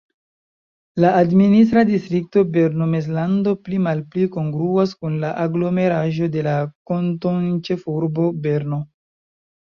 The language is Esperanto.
La administra distrikto Berno-Mezlando pli-malpli kongruas kun la aglomeraĵo de la kantonĉefurbo Berno.